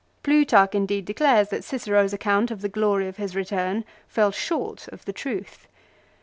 Plutarch in deed declares that Cicero's account of the glory of his return fell short of the truth.